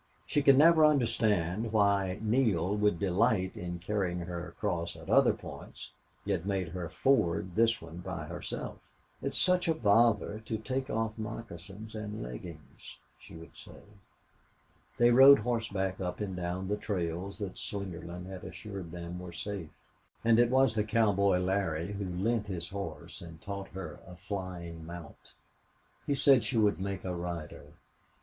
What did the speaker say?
She could never understand why Neale would delight in carrying her across at other points, yet made her ford this one by herself. "It's such a bother to take off moccasins and leggings," she would say. They rode horseback up and down the trails that Slingerland assured them were safe. And it was the cowboy Larry who lent his horse and taught her a flying mount; he said she would make a rider.